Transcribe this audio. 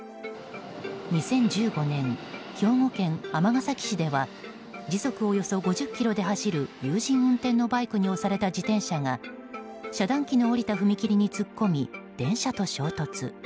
２０１５年、兵庫県尼崎市では時速およそ５０キロで走る友人運転のバイクに押された自転車が遮断機の下りた踏切に突っ込んで電車と衝突。